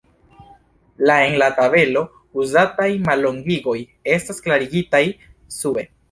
La en la tabelo uzataj mallongigoj estas klarigitaj sube.